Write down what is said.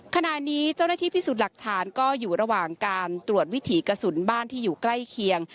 ขณะนี้เจ้าหน้าที่พิสูจน์หลักฐานก็อยู่ระหว่างการตรวจวิถีกระสุนบ้านที่อยู่ใกล้เคียง